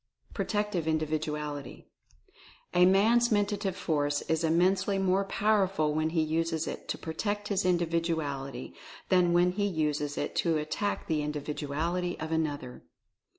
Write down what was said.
PROTECTIVE INDIVIDUALITY. A man's Mentative Force is immensely more pow erful when he uses it to Protect his Individuality than Concluding Instruction 251 when he uses it to Attack the Individuality of another.